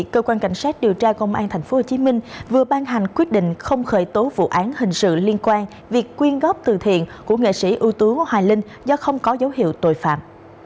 cơ quan cảnh sát điều tra công an tp hcm vừa ban hành quyết định không khởi tố vụ án hình sự liên quan việc quyên góp từ thiện của nghệ sĩ ưu tú hoài linh do không có dấu hiệu tội phạm